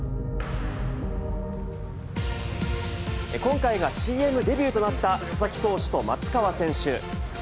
今回がＣＭデビューとなった、佐々木投手と松川選手。